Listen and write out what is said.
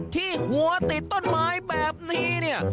ที่หัวติดต้นไม้แบบนี้เนี่ย